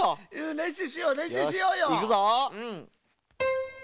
れんしゅうしようれんしゅうしようよ。いくぞ。